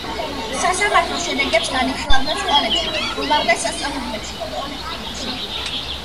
სასამართლოს შედეგებს განიხილავდნენ სკოლებში, უმაღლეს სასწავლებლებში, კოლექტივებში.